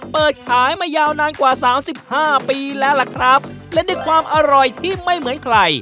เปิดขายมายาวนานกว่าสามสิบห้าปีแล้วล่ะครับและด้วยความอร่อยที่ไม่เหมือนใคร